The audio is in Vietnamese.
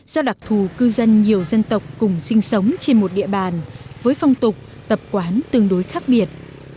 do đặc thù cư dân nhiều dân tộc cùng sinh sống trên một địa bàn với phong tục tập quán tương đối khác biệt